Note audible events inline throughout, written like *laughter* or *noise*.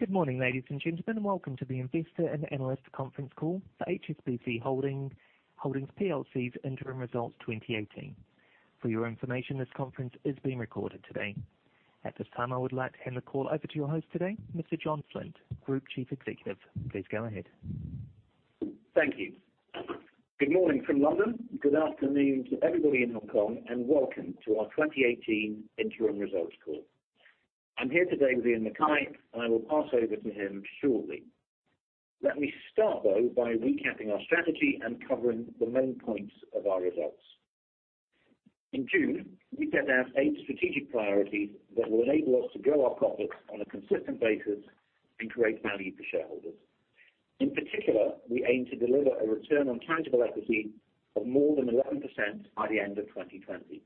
Good morning, ladies and gentlemen. Welcome to the Investor and Analyst Conference Call for HSBC Holdings plc's Interim Results 2018. For your information, this conference is being recorded today. At this time, I would like to hand the call over to your host today, Mr. John Flint, Group Chief Executive. Please go ahead. Thank you. Good morning from London. Good afternoon to everybody in Hong Kong, welcome to our 2018 interim results call. I am here today with Iain Mackay, and I will pass over to him shortly. Let me start, though, by recapping our strategy and covering the main points of our results. In June, we set out eight strategic priorities that will enable us to grow our profits on a consistent basis and create value for shareholders. In particular, we aim to deliver a return on tangible equity of more than 11% by the end of 2020.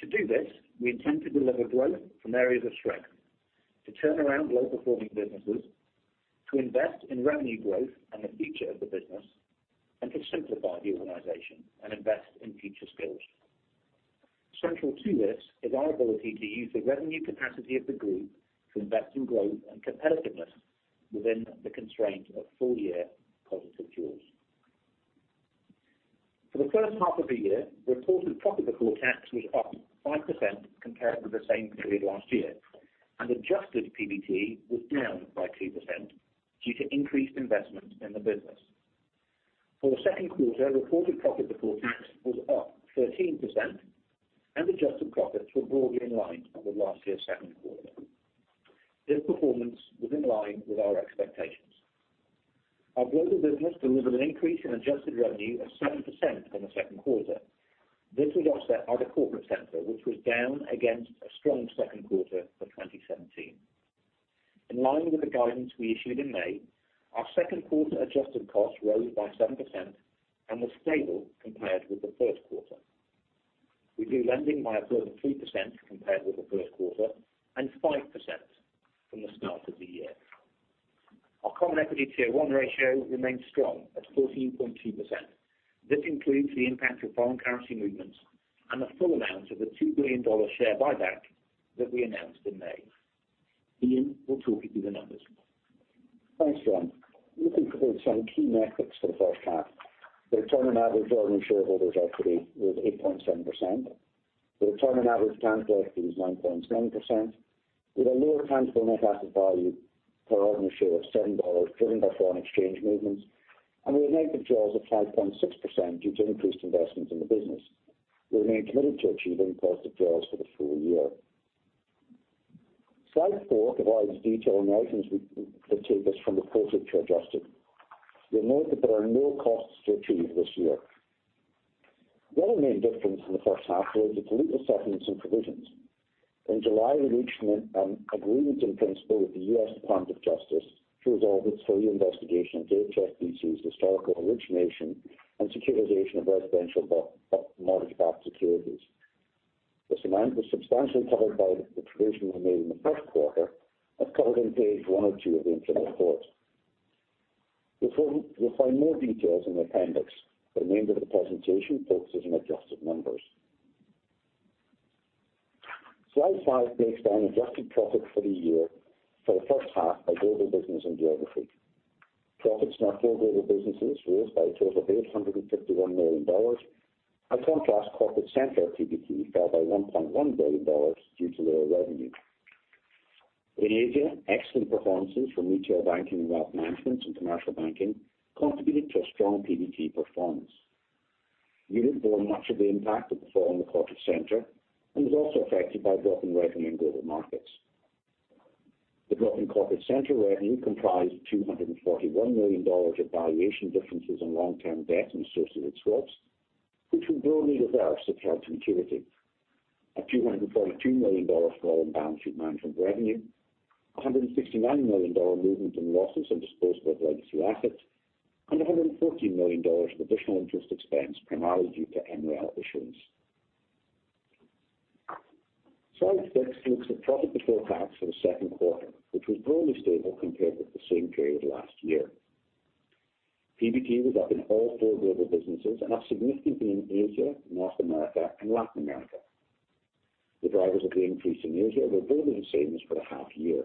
To do this, we intend to deliver growth from areas of strength, to turn around low-performing businesses, to invest in revenue growth and the future of the business, and to simplify the organization and invest in future skills. Central to this is our ability to use the revenue capacity of the group to invest in growth and competitiveness within the constraints of full-year positive jaws. For the first half of the year, reported profit before tax was up 5% compared with the same period last year, adjusted PBT was down by 2% due to increased investment in the business. For the second quarter, reported profit before tax was up 13% and adjusted profits were broadly in line with last year's second quarter. This performance was in line with our expectations. Our global business delivered an increase in adjusted revenue of 7% on the second quarter. This was offset by the corporate center, which was down against a strong second quarter for 2017. In line with the guidance we issued in May, our second-quarter adjusted costs rose by 7% and were stable compared with the first quarter. We grew lending by above 3% compared with the first quarter and 5% from the start of the year. Our common equity Tier 1 ratio remains strong at 14.2%. This includes the impact of foreign currency movements and the full amount of the $2 billion share buyback that we announced in May. Iain will talk you through the numbers. Thanks, John. Looking first at some key metrics for the first half. The return on average ordinary shareholders' equity was 8.7%. The return on average tangible equity was 9.7% with a lower tangible net asset value per ordinary share of $7, driven by foreign exchange movements, and we had negative jaws of 5.6% due to increased investments in the business. We remain committed to achieving positive jaws for the full year. Slide four provides detail on the items that take us from reported to adjusted. You'll note that there are no costs to achieve this year. The other main difference in the first half was the legal settlements and provisions. In July, we reached an agreement in principle with the U.S. Department of Justice to resolve its three-year investigation into HSBC's historical origination and securitization of residential mortgage-backed securities. This amount was substantially covered by the provision we made in the first quarter, as covered on pages one or two of the interim report. You'll find more details in the appendix. The remainder of the presentation focuses on adjusted numbers. Slide five breaks down adjusted profit for the year for the first half by global business and geography. Profits in our four global businesses rose by a total of $851 million. By contrast, corporate center PBT fell by $1.1 billion due to lower revenue. In Asia, excellent performances from Retail Banking and Wealth Management and Commercial Banking contributed to a strong PBT performance. Europe bore much of the impact of the fall in the corporate center and was also affected by a drop in revenue in global markets. The drop in corporate center revenue comprised $241 million of valuation differences on long-term debt and associated swaps, which were broadly reversed, apart from liquidity. A $242 million fall in Balance Sheet Management revenue, a $169 million movement in losses on disposal of legacy assets, and a $114 million additional interest expense primarily due to MREL issuance. Slide six looks at profit before tax for the second quarter, which was broadly stable compared with the same period last year. PBT was up in all four global businesses and up significantly in Asia, North America, and Latin America. The drivers of the increase in Asia were broadly the same as for the half-year.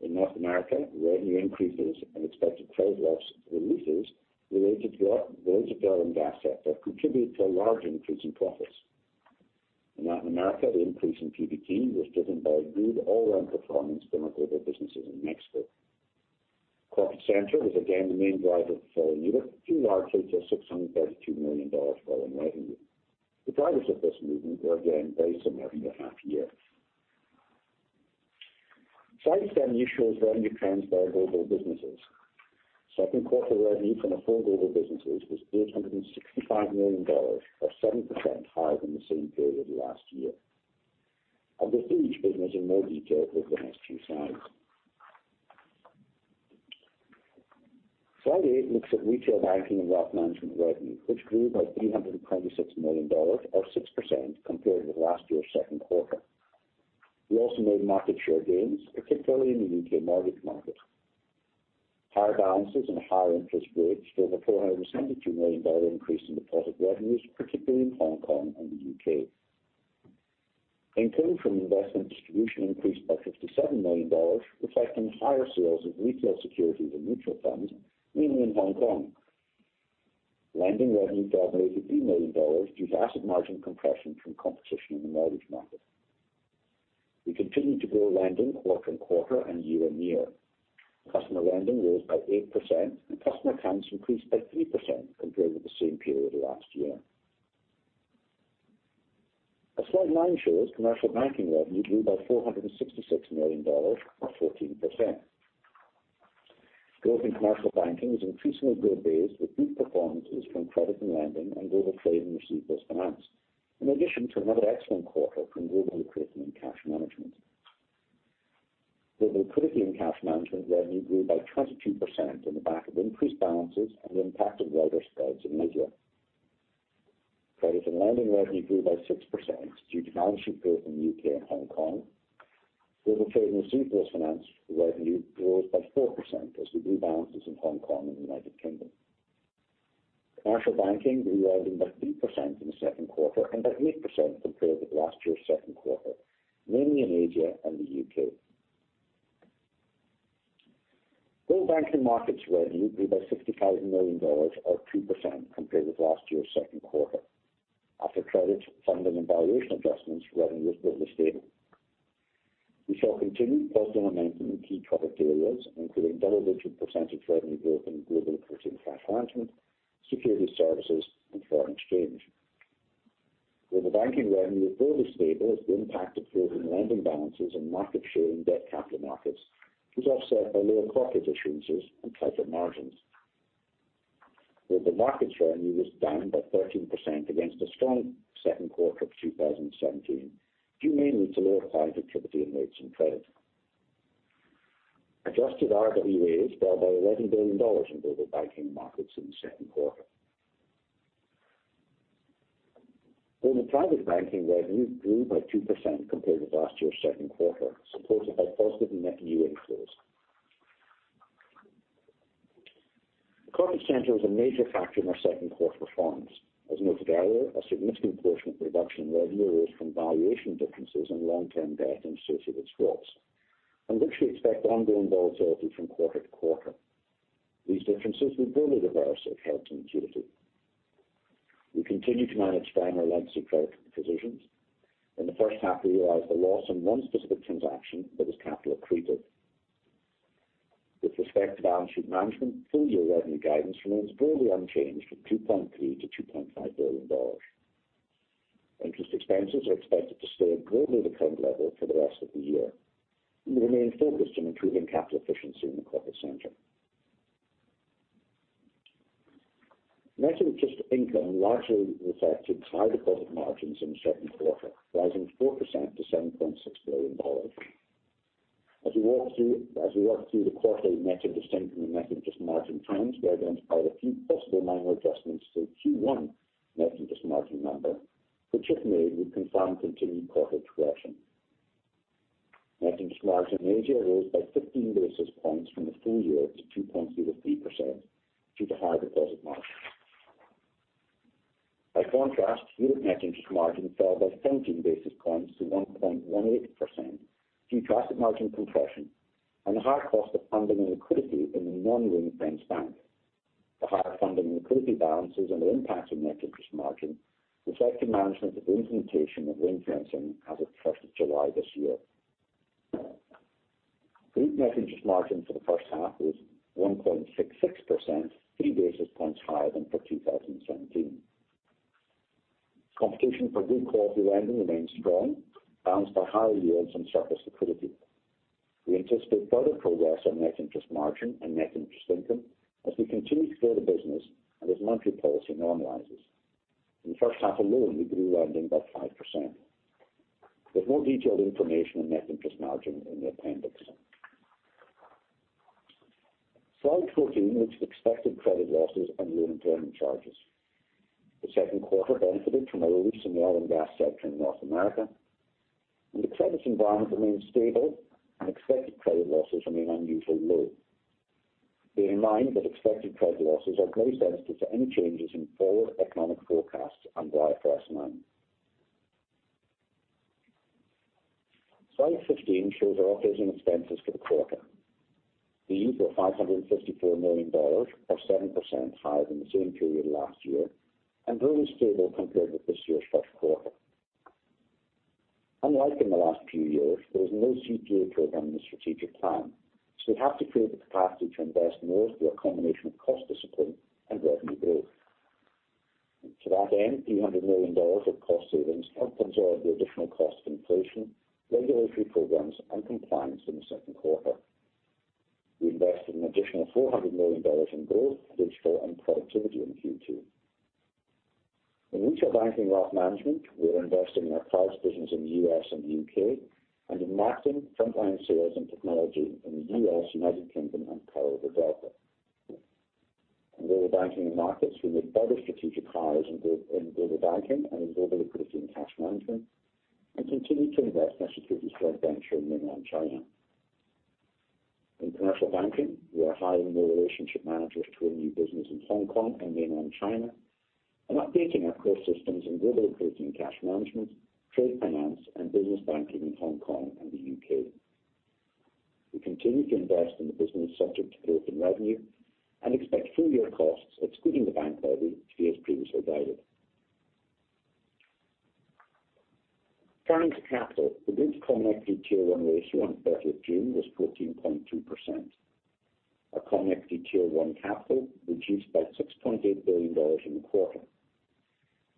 In North America, revenue increases and expected credit loss releases related to oil and gas sector contributed to a large increase in profits. In Latin America, the increase in PBT was driven by good all-around performance from our global businesses in Mexico. Corporate center was again the main driver of the fall in Europe, due largely to a $632 million fall in revenue. The drivers of this movement were again based on having a half year. Slide seven shows revenue trends by global businesses. Second-quarter revenue from the four global businesses was $865 million, or 7% higher than the same period last year. I'll go through each business in more detail over the next two slides. Slide eight looks at Retail Banking and Wealth Management revenue, which grew by $326 million, or 6%, compared with last year's second quarter. We also made market share gains, particularly in the U.K. mortgage market. Higher balances and higher interest rates drove a $472 million increase in deposit revenues, particularly in Hong Kong and the U.K. Income from investment distribution increased by $57 million, reflecting higher sales of retail securities and mutual funds, mainly in Hong Kong. Lending revenue fell $83 million due to asset margin compression from competition in the mortgage market. We continued to grow lending quarter-on-quarter and year-on-year. Customer lending rose by 8%, and customer accounts increased by 3% compared with the same period last year. Slide nine shows Commercial Banking revenue grew by $466 million or 14%. Growth in Commercial Banking was increasingly well-based with good performances from credit and lending and Global Trade and Receivables Finance. In addition to another excellent quarter from Global Liquidity and Cash Management. Global Liquidity and Cash Management revenue grew by 22% on the back of increased balances and the impact of wider spreads in Asia. Credit and lending revenue grew by 6% due to balance sheet growth in the U.K. and Hong Kong. Global Trade and Receivables Finance revenue rose by 4% as we grew balances in Hong Kong and the United Kingdom. Commercial Banking grew earnings by 3% in the second quarter and by 8% compared with last year's second quarter, mainly in Asia and the U.K. Global Banking and Markets revenue grew by $65 million or 2% compared with last year's second quarter. After credits, funding, and valuation adjustments, revenue was broadly stable. We saw continued positive momentum in key product areas, including double-digit percentage revenue growth in Global Liquidity and Cash Management, securities services, and foreign exchange. Global banking revenue was broadly stable as the impact of growth in lending balances and market share in debt capital markets was offset by lower corporate issuances and tighter margins. Global markets revenue was down by 13% against a strong second quarter of 2017, due mainly to lower client activity and rates in credit. Adjusted RWA is down by $11 billion in Global Banking and Markets in the second quarter. Global Private Banking revenue grew by 2% compared with last year's second quarter, supported by positive NNA inflows. The corporate center was a major factor in our second quarter performance. As noted earlier, a significant portion of the reduction in revenue was from valuation differences in long-term debt and associated swaps, on which we expect ongoing volatility from quarter-to-quarter. These differences were broadly reverse if held to maturity. We continue to manage down our legacy credit positions. In the first half, we realized a loss on one specific transaction that was capital accretive. With respect to Balance Sheet Management, full-year revenue guidance remains broadly unchanged from $2.3 billion-$2.5 billion. Interest expenses are expected to stay at broadly the current level for the rest of the year. We remain focused on improving capital efficiency in the corporate center. Net Interest Income largely reflected higher deposit margins in the second quarter, rising 4% to $7.6 billion. As we work through the quarterly Net Interest Income and Net Interest Margin trends, there have been a few possible minor adjustments to Q1 Net Interest Margin number, which if made, would confirm continued quarter progression. Net Interest Margin in Asia rose by 15 basis points from the full year to 2.3%-3% due to higher deposit margins. By contrast, group Net Interest Margin fell by 17 basis points to 1.18% due to asset margin compression and the higher cost of funding and liquidity in the non-ring-fenced bank. The higher funding and liquidity balances and the impact on net interest margin reflected management's implementation of ring-fencing as of 1st of July this year. Group net interest margin for the first half was 1.66%, 3 basis points higher than for 2017. Competition for good quality lending remains strong, balanced by higher yields on surplus liquidity. We anticipate further progress on net interest margin and net interest income as we continue to grow the business and as monetary policy normalizes. In the first half alone, we grew lending by 5%. There's more detailed information on net interest margin in the appendix. Slide 14 looks at expected credit losses and loan impairment charges. The second quarter benefited from a release in the oil and gas sector in North America. The credit environment remains stable, and expected credit losses remain unusually low. Bear in mind that expected credit losses are very sensitive to any changes in forward economic forecasts and IFRS 9. Slide 15 shows our operating expenses for the quarter. These were $554 million or 7% higher than the same period last year and broadly stable compared with this year's first quarter. Unlike in the last few years, there is no CTA program in the strategic plan. We have to create the capacity to invest more through a combination of cost discipline and revenue growth. To that end, $300 million of cost savings helped absorb the additional cost of inflation, regulatory programs, and compliance in the second quarter. We invested an additional $400 million in growth, digital, and productivity in Q2. In Retail Banking and Wealth Management, we are investing in our cards business in the U.S. and the U.K. and in marketing, frontline sales, and technology in the U.S., United Kingdom, and Canada, wherever. In Global Banking and Markets, we made further strategic hires in Global Banking and in Global Liquidity and Cash Management, and continued to invest in our securities joint venture in Mainland China. In Commercial Banking, we are hiring more relationship managers to our new business in Hong Kong and Mainland China, and updating our core systems in Global Liquidity and Cash Management, trade finance, and business banking in Hong Kong and the U.K. We continue to invest in the business subject to growth in revenue and expect full-year costs, excluding the bank levy, to be as previously guided. Turning to capital. The group's common equity Tier 1 ratio on 30th June was 14.2%. Our common equity Tier 1 capital reduced by $6.8 billion in the quarter.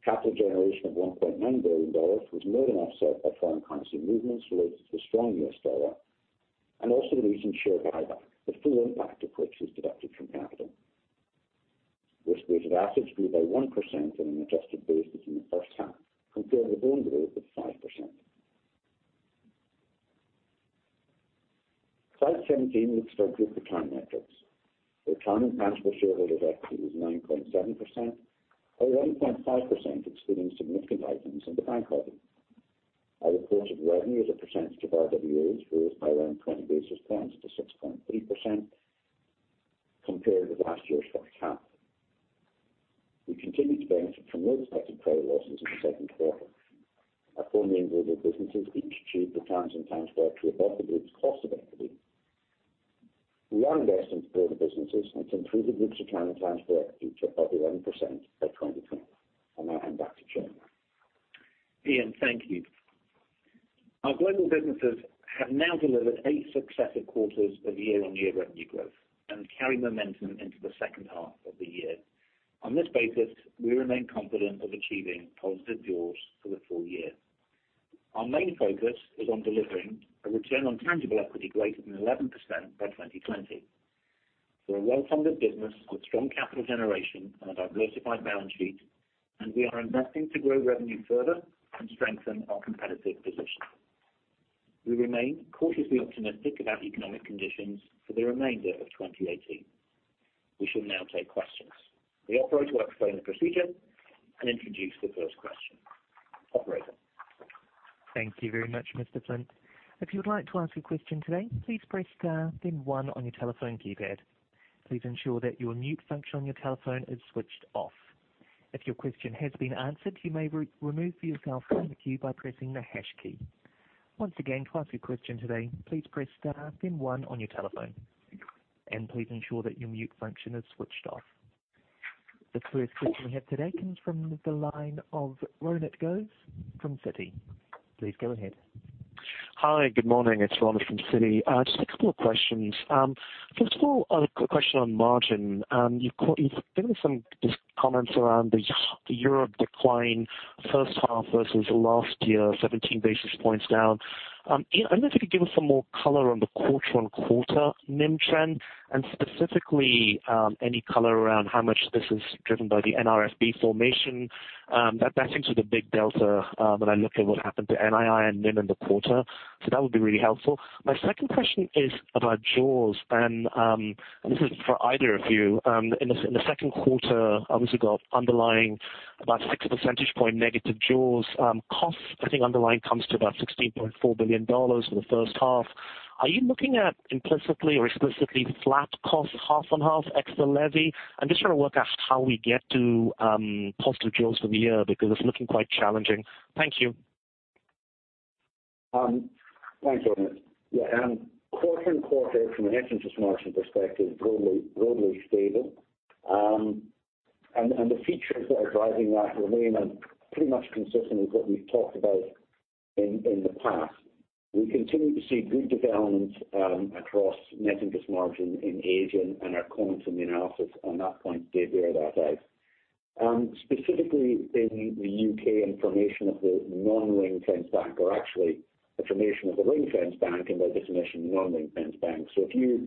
Capital generation of $1.9 billion was more than offset by foreign currency movements related to the strong U.S. dollar, and also the recent share buyback, the full impact of which was deducted from capital. Risk-weighted assets grew by 1% on an adjusted basis in the first half, compared with loan growth of 5%. Slide 17 looks at our group return metrics. Return on tangible shareholders' equity was 9.7%, or 11.5% excluding significant items in the bank levy. Our reported revenue as a percentage of RWAs rose by around 20 basis points to 6.3% compared with last year's first half. We continued to benefit from low expected credit losses in the second quarter. Our four main global businesses each achieved Return on Tangible Equity above the group's cost of equity. We are investing to grow the businesses and to improve the group's return on tangible equity to above 11% by 2020. I'll now hand back to John. Iain, thank you. Our global businesses have now delivered eight successive quarters of year-on-year revenue growth and carry momentum into the second half of the year. On this basis, we remain confident of achieving positive jaws for the full year. Our main focus is on delivering a return on tangible equity greater than 11% by 2020. We're a well-funded business with strong capital generation and a diversified balance sheet, we are investing to grow revenue further and strengthen our competitive position. We remain cautiously optimistic about economic conditions for the remainder of 2018. We shall now take questions. The operator will explain the procedure and introduce the first question. Operator? Thank you very much, Mr. Flint. If you would like to ask a question today, please press star then one on your telephone keypad. Please ensure that your mute function on your telephone is switched off. If your question has been answered, you may remove yourself from the queue by pressing the hash key. Once again, to ask your question today, please press star then one on your telephone. Please ensure that your mute function is switched off. The first question we have today comes from the line of Ronit Ghose from Citi. Please go ahead. Hi. Good morning. It's Ronit from Citi. Just a couple of questions. First of all, a quick question on margin. You've given us some comments around the Europe decline first half versus last year, 17 basis points down. Iain, I wonder if you could give us some more color on the quarter-on-quarter NIM trend, and specifically, any color around how much this is driven by the NRFB formation. That seems to be the big delta when I look at what happened to NII and NIM in the quarter. That would be really helpful. My second question is about jaws, and this is for either of you. In the second quarter, obviously got underlying about six percentage point negative jaws costs. I think underlying comes to about GBP 16.4 billion for the first half. Are you looking at implicitly or explicitly flat costs half-on-half extra levy? I'm just trying to work out how we get to positive jaws for the year because it's looking quite challenging. Thank you. Thanks, Ronit. Quarter-on-quarter from a net interest margin perspective, broadly stable. The features that are driving that remain pretty much consistent with what we've talked about in the past. Specifically in the U.K. and formation of the non-ring-fenced bank, or actually the formation of the ring-fenced bank and the definition of non-ring-fenced banks. If you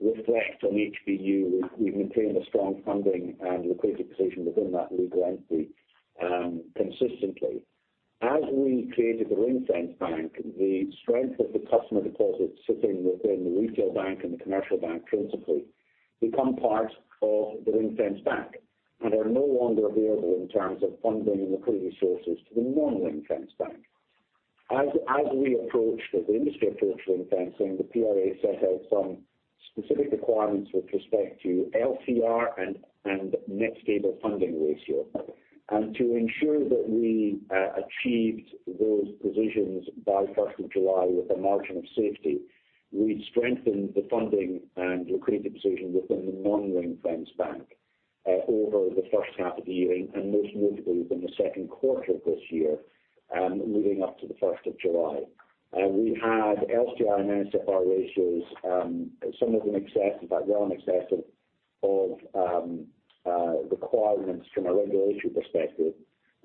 reflect on HBEU, we've maintained a strong funding and liquidity position within that legal entity consistently. As we created the ring-fenced bank, the strength of the customer deposits sitting within the retail bank and the commercial bank principally become part of the ring-fenced bank and are no longer available in terms of funding and liquidity resources to the non-ring-fenced bank. As we approached, or the industry approached ring-fencing, the PRA set out some specific requirements with respect to LCR and Net Stable Funding Ratio. To ensure that we achieved those positions by 1st of July with a margin of safety, we strengthened the funding and liquidity position within the non-ring-fenced bank over the first half of the year and most notably within the second quarter of this year, leading up to the 1st of July. We had LCR and NSFR ratios, some of them excess, in fact well in excess of requirements from a regulatory perspective.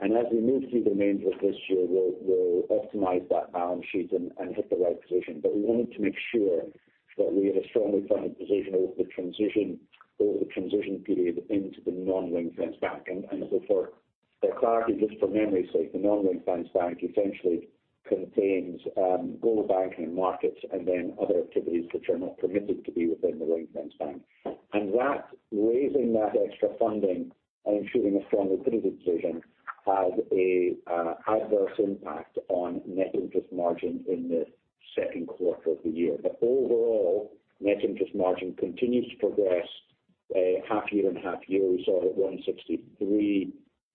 As we move through the remainder of this year, we'll optimize that balance sheet and hit the right position. We wanted to make sure that we had a strongly funded position over the transition period into the non-ring-fenced bank and before. Clarity just for memory's sake, the non-ring-fenced bank essentially contains Global Banking and Markets and then other activities which are not permitted to be within the ring-fenced bank. Raising that extra funding and ensuring a strong liquidity position had a adverse impact on net interest margin in the second quarter of the year. Overall, net interest margin continues to progress half year and half year. We saw it at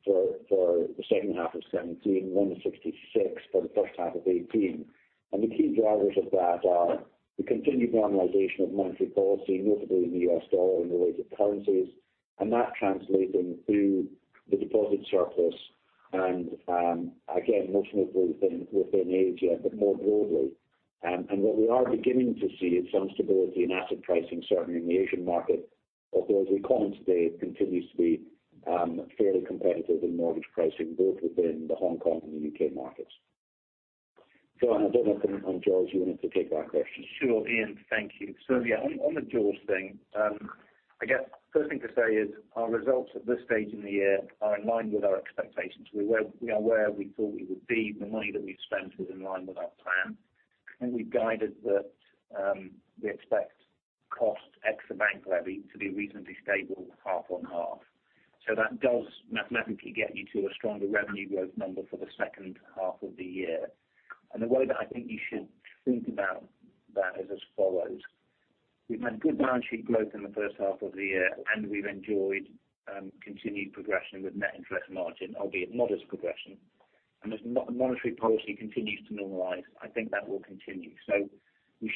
163 for the second half of 2017, 166 for the first half of 2018. The key drivers of that are the continued normalization of monetary policy, notably in the U.S. dollar and related currencies, and that translating through the deposit surplus and, again, most notably within Asia, but more broadly. What we are beginning to see is some stability in asset pricing, certainly in the Asian market, although as we call it today, it continues to be fairly competitive in mortgage pricing, both within the Hong Kong and the U.K. markets. John, I don't know if on jaws you want to take that question. Sure, Iain, thank you. Yeah, on the jaws thing, I guess first thing to say is our results at this stage in the year are in line with our expectations. We are where we thought we would be. The money that we've spent is in line with our plan. I think we've guided that we expect cost ex the bank levy to be reasonably stable half on half. That does mathematically get you to a stronger revenue growth number for the second half of the year. The way that I think you should think about that is as follows. We've had good balance sheet growth in the first half of the year, and we've enjoyed continued progression with net interest margin, albeit modest progression. As monetary policy continues to normalize, I think that will continue. We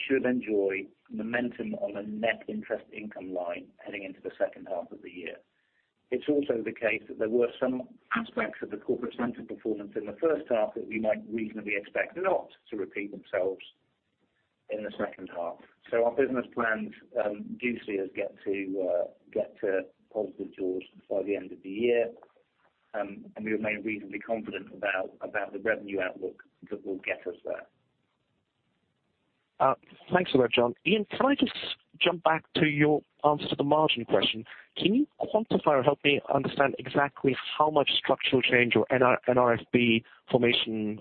should enjoy momentum on a net interest income line heading into the second half of the year. It's also the case that there were some aspects of the corporate center performance in the first half that we might reasonably expect not to repeat themselves in the second half. Our business plans do see us get to positive jaws by the end of the year. We remain reasonably confident about the revenue outlook that will get us there. Thanks a lot, John. Iain, can I just jump back to your answer to the margin question. Can you quantify or help me understand exactly how much structural change or NRFB formation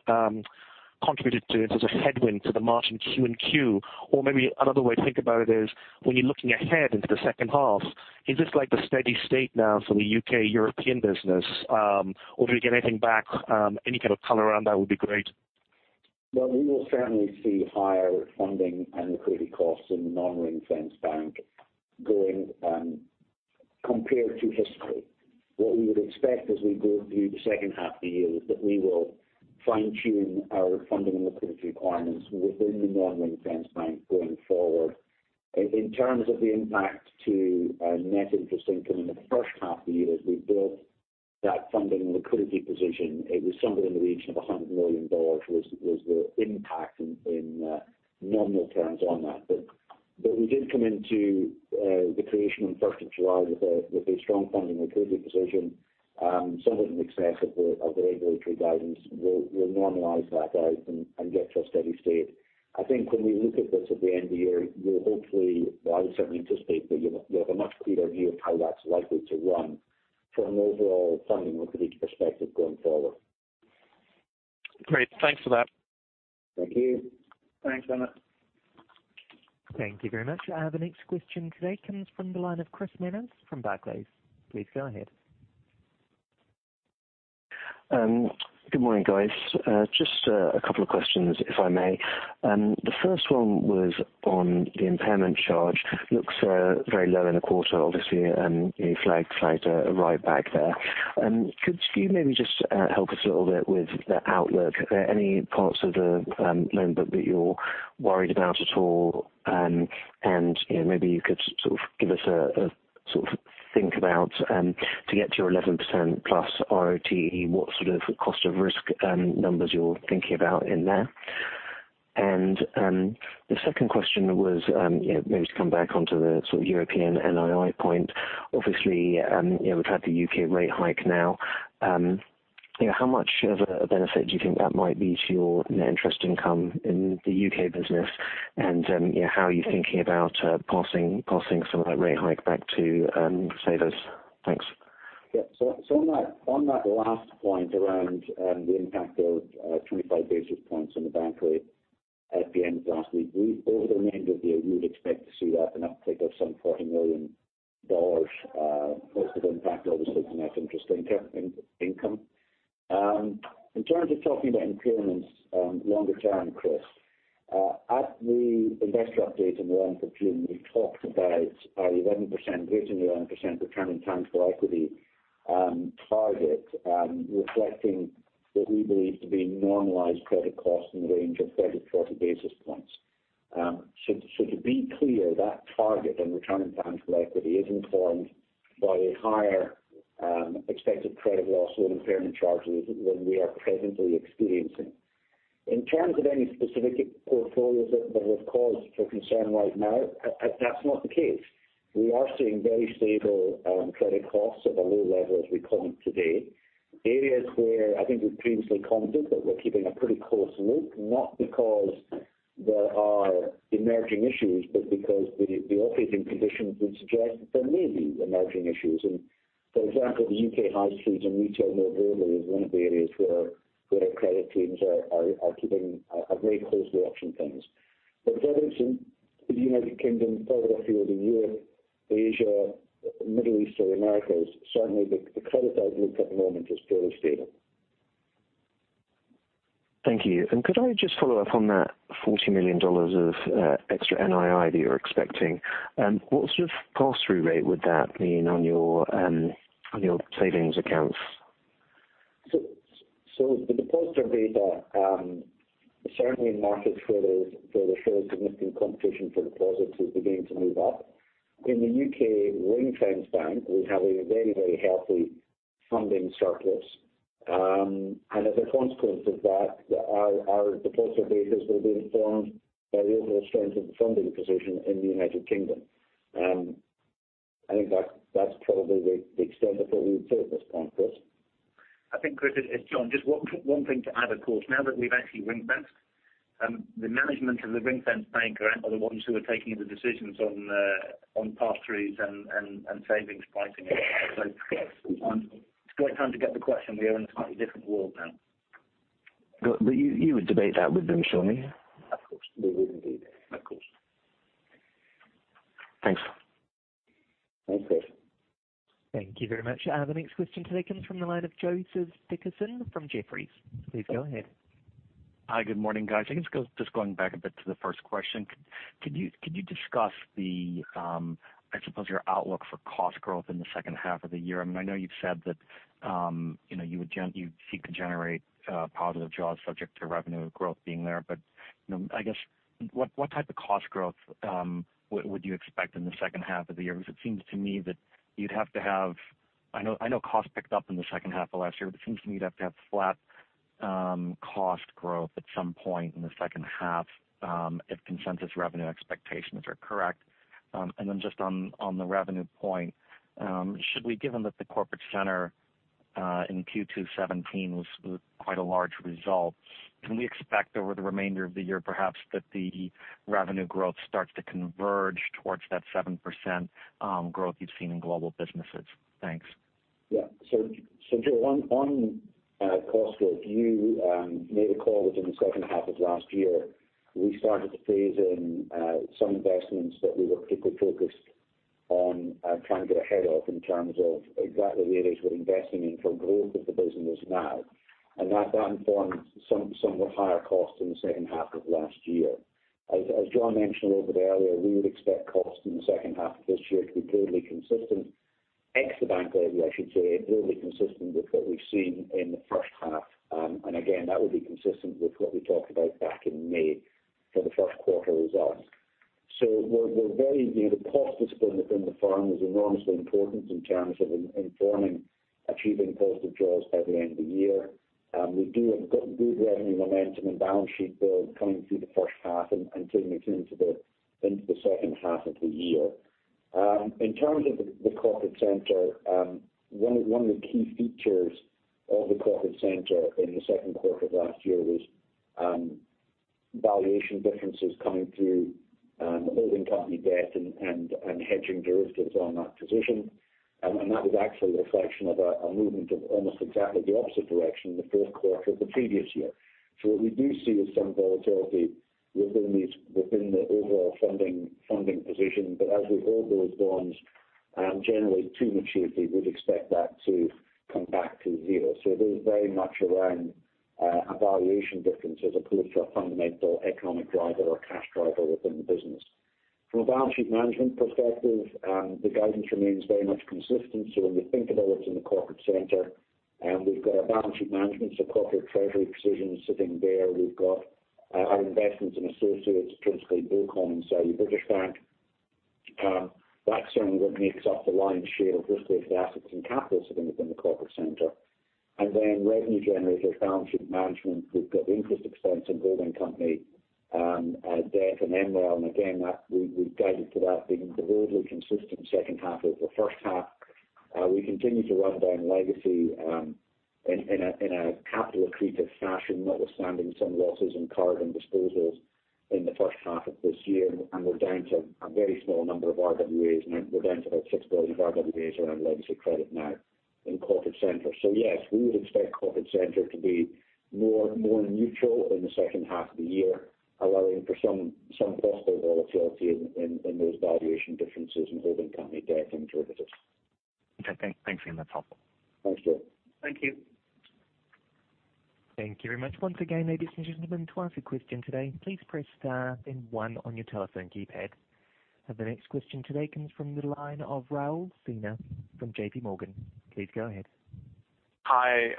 contributed to it as a headwind to the margin Q and Q? Or maybe another way to think about it is when you're looking ahead into the second half, is this like the steady state now for the U.K. European business? Or do we get anything back? Any kind of color around that would be great. Well, we will certainly see higher funding and liquidity costs in the non-ring-fenced bank going compared to history. What we would expect as we go through the second half of the year is that we will fine-tune our funding and liquidity requirements within the non-ring-fenced bank going forward. In terms of the impact to net interest income in the first half of the year, as we built that funding and liquidity position, it was somewhere in the region of $100 million was the impact in nominal terms on that. We did come into the creation on 1st of July with a strong funding liquidity position, somewhat in excess of the regulatory guidance. We'll normalize that out and get to a steady state. I think when we look at this at the end of the year, we'll hopefully, well, I would certainly anticipate that you'll have a much clearer view of how that's likely to run from an overall funding liquidity perspective going forward. Great. Thanks for that. Thank you. Thanks, Ronit. Thank you very much. Our next question today comes from the line of Chris Manners from Barclays. Please go ahead. Good morning, guys. Just a couple of questions, if I may. The first one was on the impairment charge. Looks very low in the quarter, obviously, you flagged a write back there. Could you maybe just help us a little bit with the outlook? Are there any parts of the loan book that you're worried about at all? Maybe you could give us a think about to get to your 11% plus RoTE, what sort of cost of risk numbers you're thinking about in there. The second question was maybe to come back onto the European NII point. Obviously, we've had the U.K. rate hike now. How much of a benefit do you think that might be to your net interest income in the U.K. business? And how are you thinking about passing some of that rate hike back to savers? Thanks. Yeah. On that last point around the impact of 25 basis points on the bank rate at the end of last week, over the remainder of the year, we would expect to see that an uptick of some $40 million positive impact, obviously, to net interest income. In terms of talking about impairments longer term, Chris, at the investor update in the month of June, we talked about our greater than 11% return on tangible equity target reflecting what we believe to be normalized credit costs in the range of 30, 40 basis points. To be clear, that target on return on tangible equity is informed by a higher expected credit loss on impairment charges than we are presently experiencing. In terms of any specific portfolios that are of cause for concern right now, that's not the case. We are seeing very stable credit costs at a low level as we count today. Areas where I think we've previously commented that we're keeping a pretty close look, not because there are emerging issues, but because the operating conditions would suggest that there may be emerging issues. For example, the U.K. high streets and retail more broadly is one of the areas where our credit teams are keeping a very close watch on things. Other than the United Kingdom, further afield in Europe, Asia, Middle East, or Americas, certainly the credit outlook at the moment is fairly stable. Thank you. Could I just follow up on that $40 million of extra NII that you're expecting. What sort of pass-through rate would that mean on your savings accounts? The deposit beta, certainly in markets where there's fairly significant competition for deposits, is beginning to move up. In the U.K. ring-fenced bank, we have a very healthy funding surplus. As a consequence of that, our deposit betas will be informed by the overall strength of the funding position in the United Kingdom. I think that's probably the extent of what we would say at this point, Chris. I think Chris, it's John. Just one thing to add, of course, now that we've actually ring-fenced, the management of the ring-fenced bank are the ones who are taking the decisions on pass-throughs and savings pricing. It's a great time to get the question. We are in a slightly different world now. You would debate that with them, surely? Of course. We would indeed. Of course. Thanks. Thanks, Chris. Thank you very much. The next question today comes from the line of Joseph Dickerson from Jefferies. Please go ahead. Hi, good morning, guys. I think just going back a bit to the first question. Could you discuss the, I suppose your outlook for cost growth in the second half of the year? I know you've said that you would seek to generate positive jaws subject to revenue growth being there. I guess, what type of cost growth would you expect in the second half of the year? Because it seems to me that I know costs picked up in the second half of last year, but it seems to me you'd have to have flat cost growth at some point in the second half if consensus revenue expectations are correct. Just on the revenue point. Given that the corporate center in Q2 2017 was quite a large result, can we expect over the remainder of the year perhaps that the revenue growth starts to converge towards that 7% growth you've seen in global businesses? Thanks. Yeah. Joe, on cost growth, you may recall that in the second half of last year, we started to phase in some investments that we were particularly focused on trying to get ahead of in terms of exactly the areas we're investing in for growth of the business now. That informed some of the higher costs in the second half of last year. As John mentioned a little bit earlier, we would expect costs in the second half of this year to be broadly consistent. Ex the bank levy, I should say, broadly consistent with what we've seen in the first half. Again, that would be consistent with what we talked about back in May for the first quarter results. The cost discipline within the firm is enormously important in terms of informing achieving positive jaws by the end of the year. We do have good revenue momentum and balance sheet build coming through the first half and taking it into the second half of the year. In terms of the corporate center, one of the key features of the corporate center in the second quarter of last year was valuation differences coming through the holding company debt and hedging derivatives on that position. That was actually a reflection of a movement of almost exactly the opposite direction in the fourth quarter of the previous year. What we do see is some volatility within the overall funding position. As we hold those bonds generally to maturity, we'd expect that to come back to zero. It is very much around a valuation difference as opposed to a fundamental economic driver or cash driver within the business. From a Balance Sheet Management perspective, the guidance remains very much consistent. When we think about what's in the corporate center, we've got our Balance Sheet Management, corporate treasury decisions sitting there. We've got our investments in associates, principally BoCom and Saudi British Bank. That's certainly what makes up the lion's share of risk-weighted assets and capital sitting within the corporate center. Revenue generators, Balance Sheet Management. We've got interest expense and holding company debt and MREL, again, we've guided to that being broadly consistent second half over first half. We continue to run down legacy in a capital accretive fashion, notwithstanding some losses in card and disposals in the first half of this year. We're down to a very small number of RWAs now. We're down to about $6 billion of RWAs around legacy credit now in corporate center. Yes, we would expect corporate center to be more neutral in the second half of the year, allowing for some possible volatility in those valuation differences in holding company debt and derivatives. Okay, thanks Iain. That's helpful. Thanks, Joe. Thank you. Thank you very much. Once again, ladies and gentlemen, to ask a question today, please press star then one on your telephone keypad. The next question today comes from the line of Raul Sinha from JP Morgan. Please go ahead. Hi.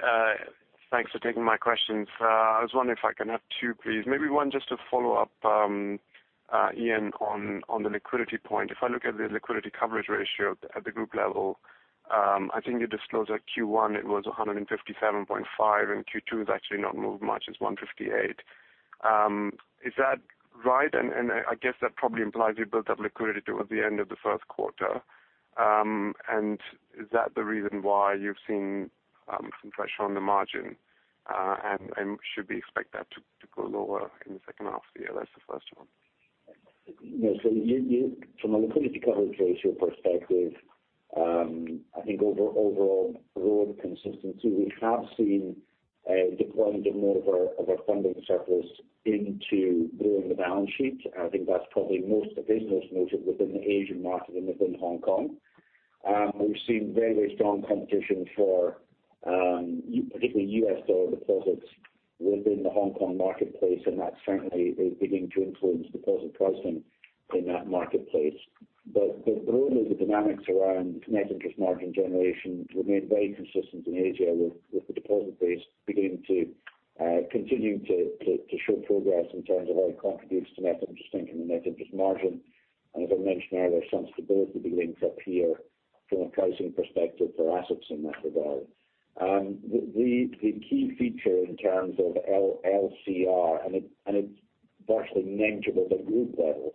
Thanks for taking my questions. I was wondering if I can have two please. Maybe one just to follow up Iain, on the liquidity point. If I look at the liquidity coverage ratio at the group level I think you disclosed that Q1, it was 157.5%, and Q2 has actually not moved much. It's 158%. Is that right? I guess that probably implies you built up liquidity towards the end of the first quarter. Is that the reason why you've seen some pressure on the margin? Should we expect that to go lower in the second half of the year? That's the first one. Yes, from a liquidity coverage ratio perspective, I think overall broad consistency, we have seen a deployment of more of our funding surplus into building the balance sheet. I think that's probably most of it, most notably within the Asian market and within Hong Kong. We've seen very strong competition for particularly US dollar deposits within the Hong Kong marketplace, and that certainly is beginning to influence deposit pricing in that marketplace. But broadly, the dynamics around net interest margin generation remain very consistent in Asia, with the deposit base beginning to continue to show progress in terms of how it contributes to net interest income and net interest margin. As I mentioned earlier, some stability begins up here from a pricing perspective for assets in that regard. The key feature in terms of LCR, and it's virtually negligible at group level,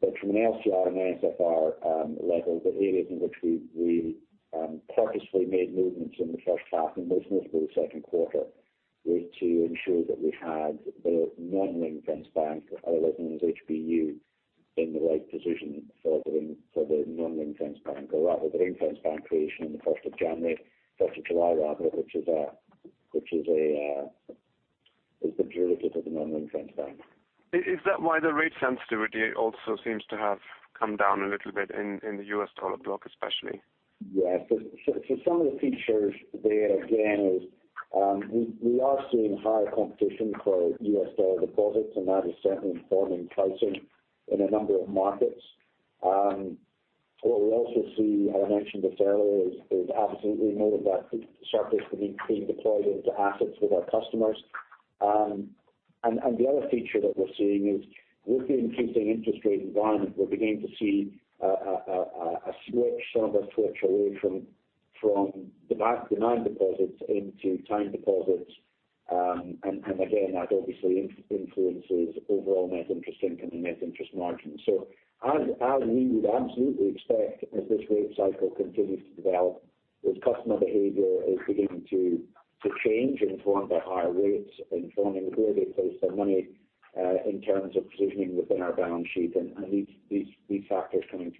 but from an LCR and NSFR level, the areas in which we purposefully made movements in the first half, and most notably the second quarter, was to ensure that we had the non-ring-fenced bank, or as known as HBEU, in the right position for the non-ring-fenced bank, or rather the ring-fenced bank creation in the 1st of January, 1st of July rather, which is derivative of the non-ring-fenced bank. Is that why the rate sensitivity also seems to have come down a little bit in the U.S. dollar block, especially? Yeah. Some of the features there again is we are seeing higher competition for U.S. dollar deposits, and that is certainly informing pricing in a number of markets. What we also see, and I mentioned this earlier, is absolutely more of that surplus being deployed into assets with our customers. The other feature that we're seeing is with the increasing interest rate environment, we're beginning to see a switch, some of us switch away from demand deposits into time deposits. Again, that obviously influences overall net interest income and net interest margin. As we would absolutely expect as this rate cycle continues to develop, with customer behavior is beginning to change, informed by higher rates, informing where they place their money, in terms of positioning within our balance sheet and these factors coming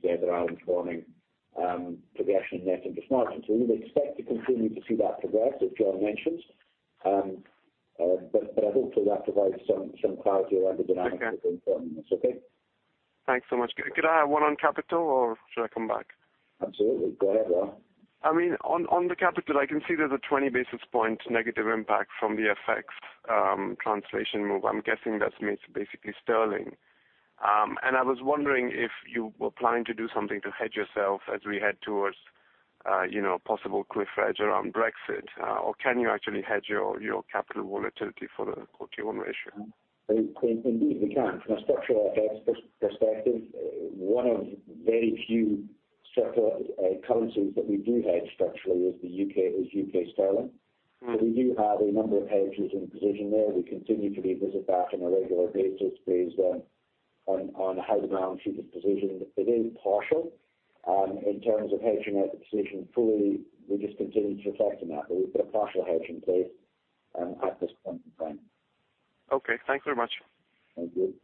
together are informing progression in net interest margin. We would expect to continue to see that progress as John mentioned. Hopefully that provides some clarity around the dynamics that are informing this. Okay. Thanks so much. Could I have one on capital, or should I come back? Absolutely. Go ahead, Raul. On the capital, I can see there's a 20 basis point negative impact from the FX translation move. I'm guessing that's basically sterling. I was wondering if you were planning to do something to hedge yourself as we head towards a possible cliff edge around Brexit. Can you actually hedge your capital volatility for the Q1 ratio? Indeed, we can. From a structural perspective, one of very few set of currencies that we do hedge structurally is U.K. sterling. We do have a number of hedges in position there. We continue to revisit that on a regular basis based on how the balance sheet is positioned. It is partial. In terms of hedging out the position fully, we just continue to reflect on that. We've got a partial hedge in place at this point in time. Okay. Thank you very much. Thank you.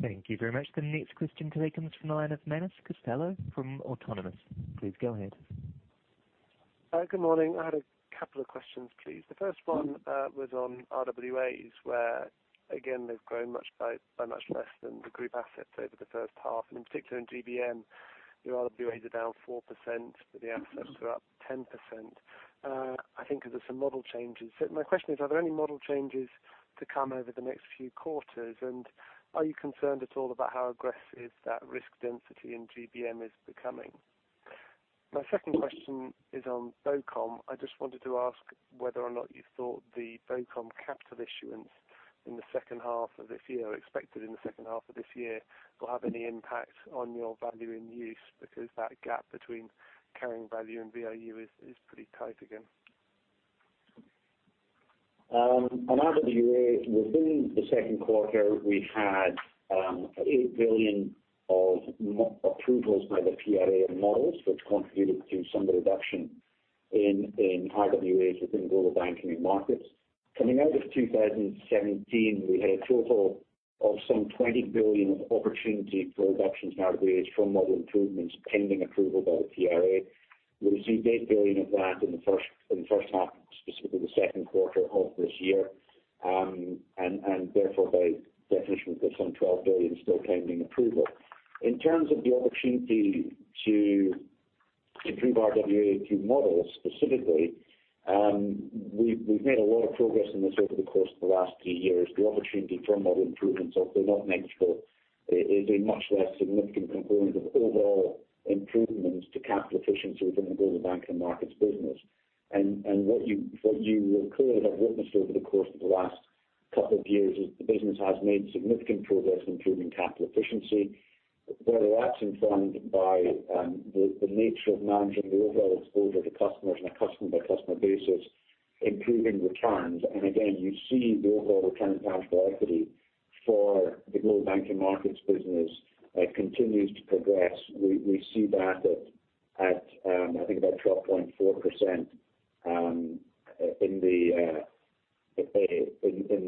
Thank you very much. The next question today comes from the line of Manus Costello from Autonomous. Please go ahead. Good morning. I had a couple of questions, please. The first one was on RWAs, where again, they've grown by much less than the group assets over the first half. In particular in GB&M, your RWAs are down 4%, but the assets are up 10%, I think because of some model changes. My question is, are there any model changes to come over the next few quarters? Are you concerned at all about how aggressive that risk density in GB&M is becoming? My second question is on BoCom. I just wanted to ask whether or not you thought the BoCom capital issuance in the second half of this year, expected in the second half of this year, will have any impact on your value in use, because that gap between carrying value and VIU is pretty tight again. On RWA, within the second quarter, we had $8 billion of approvals by the PRA models, which contributed to some of the reduction in RWAs within Global Banking and Markets. Coming out of 2017, we had a total of some $20 billion of opportunity for reductions in RWAs from model improvements pending approval by the PRA. We received $8 billion of that in the first half, specifically the second quarter of this year. Therefore, by definition, we've got some $12 billion still pending approval. In terms of the opportunity to improve RWA through models specifically, we've made a lot of progress in this over the course of the last 3 years. The opportunity for model improvements, although not negligible, is a much less significant component of overall improvement to capital efficiency within the Global Banking and Markets business. What you will clearly have witnessed over the course of the last couple of years, the business has made significant progress improving capital efficiency. A lot's informed by the nature of managing the overall exposure to customers on a customer-by-customer basis, improving returns. Again, you see the overall return on capital equity for the Global Banking and Markets business continues to progress. We see that at, I think about 12.4% in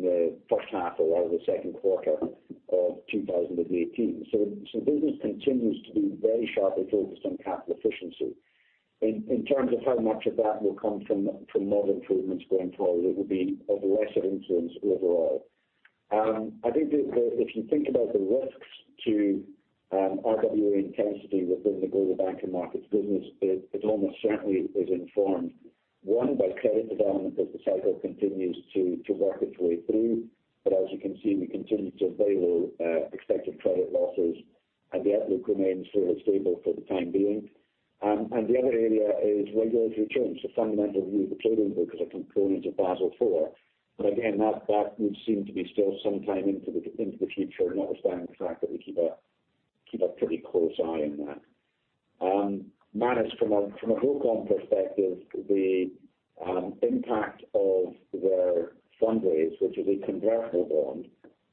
the first half or the second quarter of 2018. The business continues to be very sharply focused on capital efficiency. In terms of how much of that will come from model improvements going forward, it will be of lesser influence overall. I think that if you think about the risks to RWA intensity within the Global Banking and Markets business, it almost certainly is informed, 1, by credit development as the cycle continues to work its way through. As you can see, we continue to have very low expected credit losses, and the outlook remains fairly stable for the time being. The other area is regulatory change. Fundamental Review of the Trading Book as a component of Basel IV. Again, that would seem to be still some time into the future, notwithstanding the fact that we keep a pretty close eye on that. Manus, from a BoCom perspective, the impact of their fundraise, which is a convertible bond.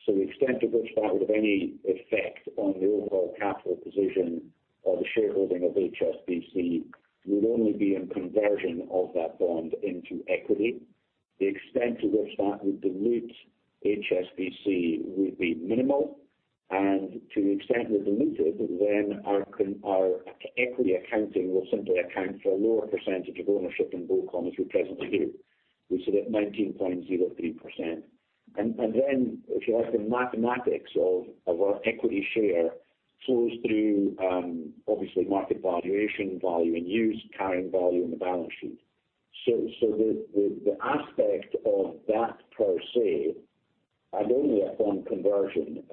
The extent to which that would have any effect on the overall capital position or the shareholding of HSBC would only be in conversion of that bond into equity. The extent to which that would dilute HSBC would be minimal, and to the extent it diluted, then our equity accounting will simply account for a lower percentage of ownership in BoCom as we presently do, which is at 19.03%. Then if you like, the mathematics of our equity share flows through, obviously market valuation, value in use, carrying value in the balance sheet. The aspect of that per se, and only upon conversion,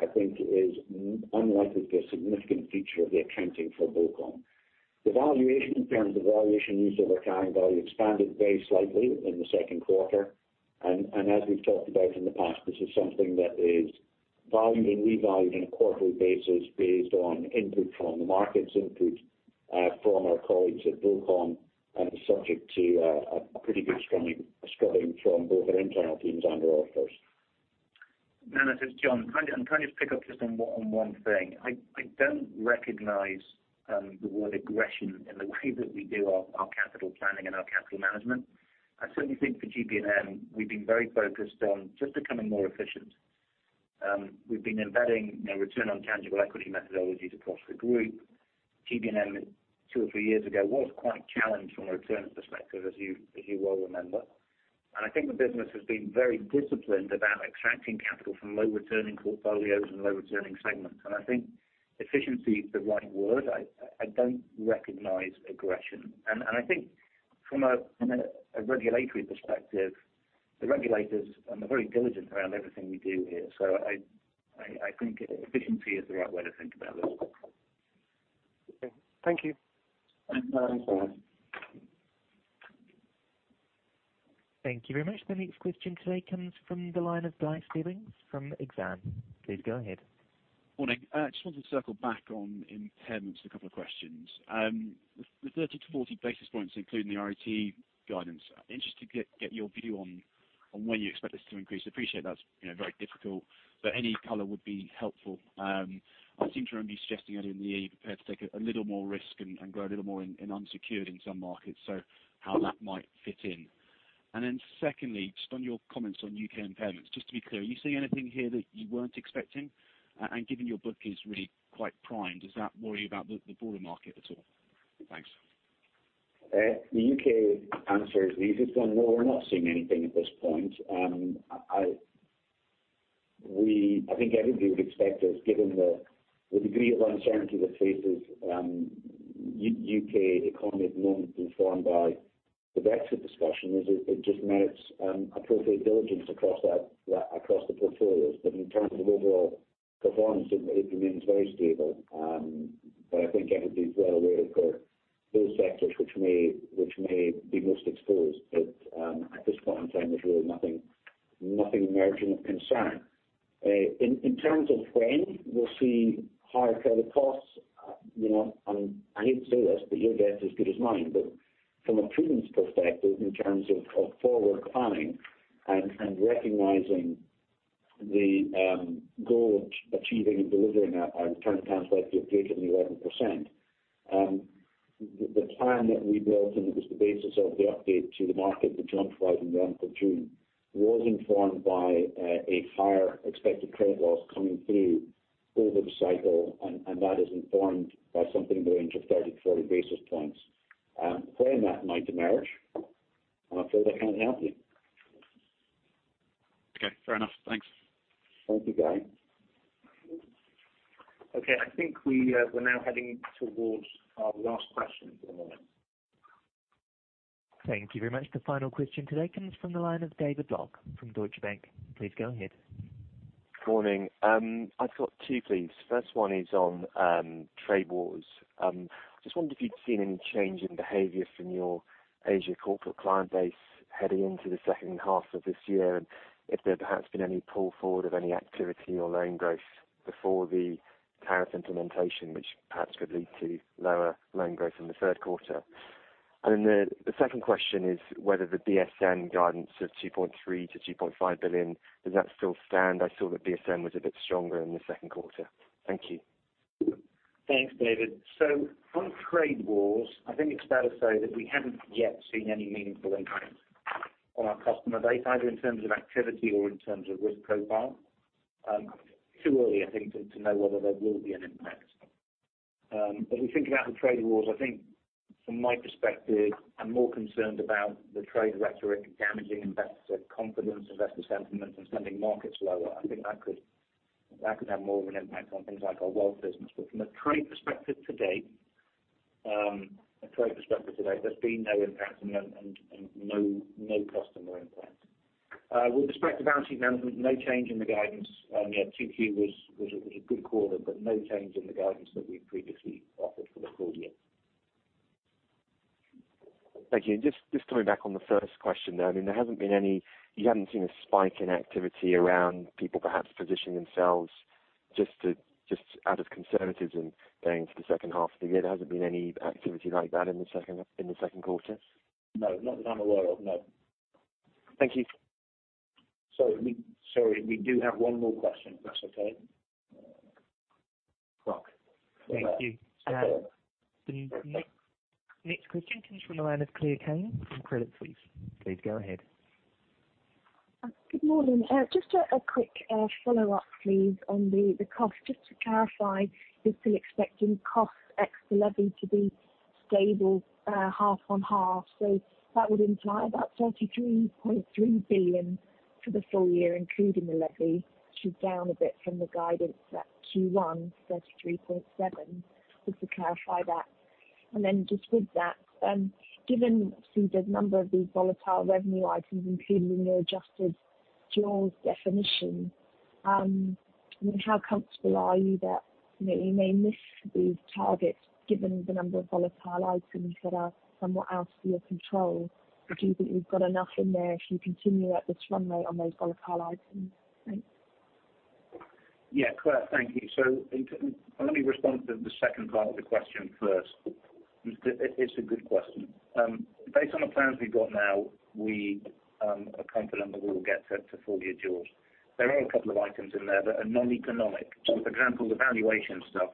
I think is unlikely to be a significant feature of the accounting for BoCom. The valuation in terms of valuation use over carrying value expanded very slightly in the second quarter. As we've talked about in the past, this is something that is valued and revalued on a quarterly basis based on input from the markets, input from our colleagues at BoCom, and subject to a pretty good scrubbing from both our internal teams and our auditors. Manus, it's John. Can I just pick up just on one thing? I don't recognize the word aggression in the way that we do our capital planning and our capital management. I certainly think for GB&M, we've been very focused on just becoming more efficient. We've been embedding Return on Tangible Equity methodologies across the group. GB&M two or three years ago was quite challenged from a returns perspective, as you well remember. I think the business has been very disciplined about extracting capital from low returning portfolios and low returning segments. I think efficiency is the right word. I don't recognize aggression. I think from a regulatory perspective, the regulators are very diligent around everything we do here. I think efficiency is the right way to think about this. Okay. Thank you. Thanks. Thank you very much. Thank you very much. The next question today comes from the line of Guy Stebbings from Exane. Please go ahead. Morning. Just wanted to circle back on impairments, a couple of questions. The 30 to 40 basis points, including the RoTE guidance. I'm interested to get your view on when you expect this to increase. Appreciate that's very difficult, but any color would be helpful. I seem to remember you suggesting earlier in the year you're prepared to take a little more risk and grow a little more in unsecured in some markets, so how that might fit in. Secondly, just on your comments on U.K. impairments, just to be clear, are you seeing anything here that you weren't expecting? Given your book is really quite primed, does that worry you about the broader market at all? Thanks. The U.K. answer is the easiest one. No, we're not seeing anything at this point. I think everybody would expect us, given the degree of uncertainty that faces U.K. economy at the moment is informed by the Brexit discussion, is it just merits appropriate diligence across the portfolios. In terms of overall performance, it remains very stable. I think everybody's well aware of those sectors which may be most exposed. At this point in time, there's really nothing emerging of concern. In terms of when we'll see higher credit costs, I hate to say this, but your guess is as good as mine. From a prudence perspective, in terms of forward planning and recognizing the goal of achieving and delivering a return on capital equity of greater than 11%, the plan that we built, it was the basis of the update to the market the June quarter and the month of June, was informed by a higher expected credit loss coming through over the cycle, that is informed by something in the range of 30, 40 basis points. When that might emerge, I'm afraid I can't help you. Okay. Fair enough. Thanks. Thank you, Guy. Okay. I think we're now heading towards our last question for the moment. Thank you very much. The final question today comes from the line of David Lock from Deutsche Bank. Please go ahead. Morning. I've got two, please. First one is on trade wars. Just wondered if you'd seen any change in behavior from your Asia corporate client base heading into the second half of this year, and if there perhaps been any pull forward of any activity or loan growth before the tariff implementation, which perhaps could lead to lower loan growth in the third quarter. The second question is whether the BSM guidance of $2.3 billion-$2.5 billion, does that still stand? I saw that BSM was a bit stronger in the second quarter. Thank you. Thanks, David. On trade wars, I think it's fair to say that we haven't yet seen any meaningful impact on our customer base, either in terms of activity or in terms of risk profile. Too early, I think, to know whether there will be an impact. As we think about the trade wars, I think from my perspective, I'm more concerned about the trade rhetoric damaging investor confidence, investor sentiment, and sending markets lower. I think that could have more of an impact on things like our wealth business. From a trade perspective to date, there's been no impact and no customer impact. With respect to balance sheet management, no change in the guidance. 2Q was a good quarter. No change in the guidance that we previously offered for the full year. Thank you. Just coming back on the first question there. You haven't seen a spike in activity around people perhaps positioning themselves just out of conservatism going into the second half of the year. There hasn't been any activity like that in the second quarter? No, not that I'm aware of. Thank you. Sorry, we do have one more question, if that's okay. *inaudible* Thank you. The next question comes from the line of Claire Kane from Credit Suisse. Please go ahead. Good morning. Just a quick follow-up please on the cost. Just to clarify, you're still expecting cost extra levy to be stable half on half. That would imply about 33.3 billion for the full year, including the levy, which is down a bit from the guidance at Q1, 33.7 billion. Just to clarify that. Then just with that, given the number of these volatile revenue items included in your adjusted Jaws definition, how comfortable are you that you may miss these targets given the number of volatile items that are somewhat out of your control? Do you think you've got enough in there if you continue at this runway on those volatile items? Thanks. Yeah, Claire, thank you. Let me respond to the second part of the question first. It's a good question. Based on the plans we've got now, we are confident that we'll get to full-year Jaws. There are a couple of items in there that are non-economic. For example, the valuation stuff.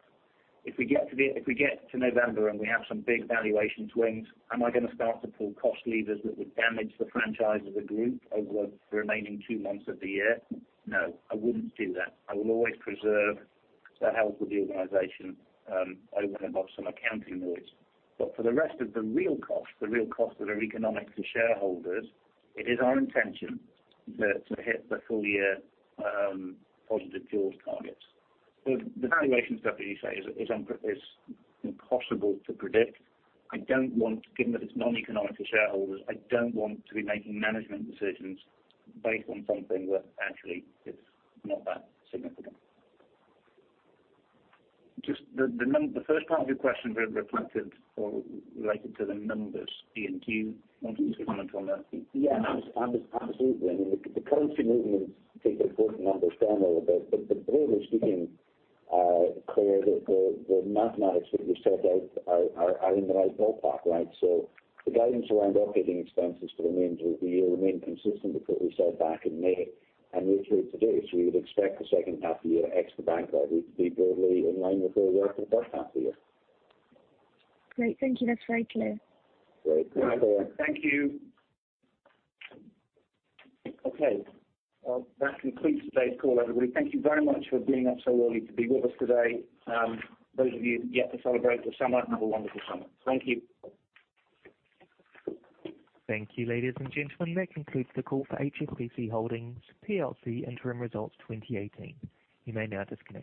If we get to November and we have some big valuation swings, am I going to start to pull cost levers that would damage the franchise of the group over the remaining two months of the year? No, I wouldn't do that. I will always preserve the health of the organization over and above some accounting noise. For the rest of the real costs, the real costs that are economic to shareholders, it is our intention to hit the full year positive Jaws targets. The valuation stuff, as you say, is impossible to predict. Given that it's non-economic to shareholders, I don't want to be making management decisions based on something where actually it's not that significant. Just the first part of your question reflected or related to the numbers, Iain, do you want to comment on the Yeah, absolutely. I mean, the currency movements take the fourth number down a little bit, but broadly speaking, Claire, the mathematics that we set out are in the right ballpark, right? The guidance around operating expenses for the remainder of the year remain consistent with what we said back in May and reiterate today. We would expect the second half of the year ex the bank levy to be broadly in line with the work of the first half of the year. Great. Thank you. That's very clear. Great. Thanks, Claire. Thank you. Okay. Well, that concludes today's call, everybody. Thank you very much for being up so early to be with us today. Those of you yet to celebrate the summer, have a wonderful summer. Thank you. Thank you, ladies and gentlemen. That concludes the call for HSBC Holdings plc interim results 2018. You may now disconnect.